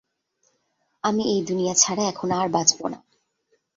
আমি এই দুনিয়া ছাড়া এখন আর বাঁচব না।